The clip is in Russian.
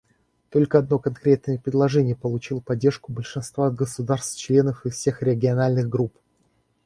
Только одно конкретное предложение получило поддержку большинства государств-членов из всех региональных групп.